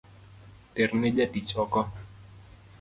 Terne jatich oko